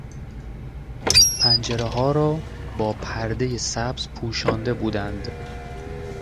پنجرهها را با پردهی سبز پوشانده بودند.